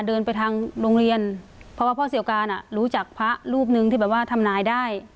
เดินไปทางโรงเรียนเพราะว่าพ่อเสียวการอ่ะรู้จักพระรูปหนึ่งที่แบบว่าทำนายได้